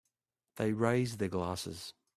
They raise their glasses.